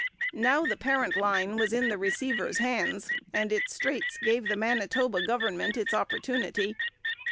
Now the parent line was in the receiver's hands, and its straits gave the Manitoba government its opportunity.